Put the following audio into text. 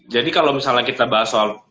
kalau misalnya kita bahas soal